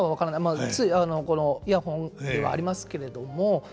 まあこのイヤホンはありますけれども。